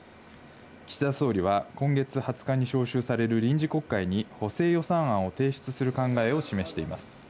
岸田総理は今月２０日に召集される臨時国会に補正予算案を提出する考えを示しています。